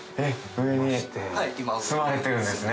上に住まわれてるんですね。